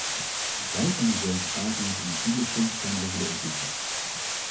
Vijf van de zeven pagina's in de toelichting gaan over de islam.